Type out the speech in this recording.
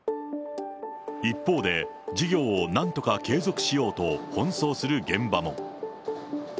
一方で、事業をなんとか継続しようと、奔走する現場も。